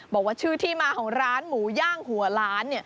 บอกว่าชื่อที่มาของร้านหมูย่างหัวล้าน